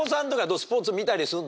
スポーツ見たりするの？